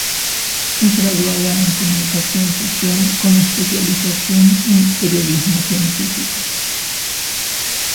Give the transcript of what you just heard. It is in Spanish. Es graduada en comunicación social con especialización en periodismo científico.